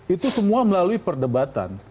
itu semua melalui perdebatan